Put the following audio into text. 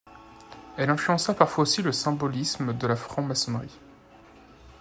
Elle influença parfois aussi le symbolisme de la franc-maçonnerie.